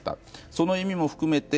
その意味も含めて